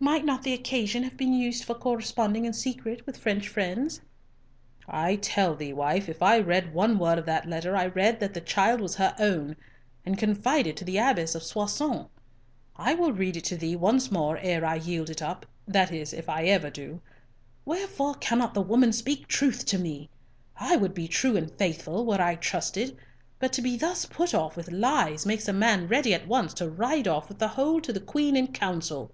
"Might not the occasion have been used for corresponding in secret with French friends?" "I tell thee, wife, if I read one word of that letter, I read that the child was her own, and confided to the Abbess of Soissons! I will read it to thee once more ere I yield it up, that is if I ever do. Wherefore cannot the woman speak truth to me? I would be true and faithful were I trusted, but to be thus put off with lies makes a man ready at once to ride off with the whole to the Queen in council."